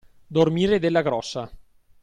Dormire della grossa.